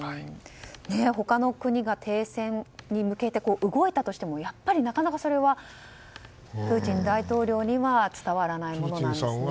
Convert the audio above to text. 他の国が停戦に向けて動いたとしてもやっぱり、それはなかなかプーチン大統領には伝わらないものなんですね。